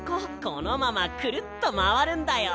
このままクルッとまわるんだよ。